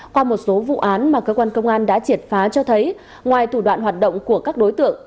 qua một số vụ án mà cơ quan công an đã triệt phá cho thấy ngoài thủ đoạn hoạt động của các đối tượng